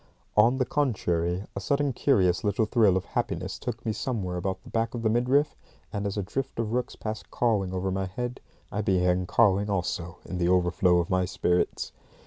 On the contrary, a sudden curious little thrill of happiness took me somewhere about the back of the midriff, and, as a drift of rooks passed cawing over my head, I began cawing also in the overflow of my spirits.